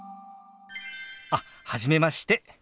あっ初めまして。